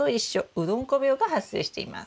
うどんこ病が発生しています。